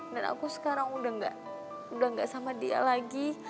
dan aku sekarang udah gak sama dia lagi